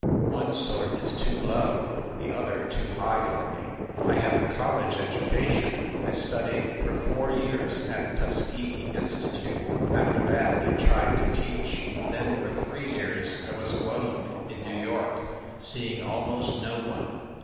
One sort is too low, the other too high for me. I have a college education I studied for four years at Tuskegee Institute after that I tried to teach. Then for three years I was alone in New York, seeing almost no one.